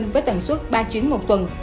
với tầng suốt ba chuyến một tuần